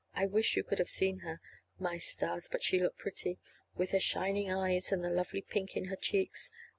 I wish you could have seen her. My stars, but she looked pretty! with her shining eyes and the lovely pink in her cheeks.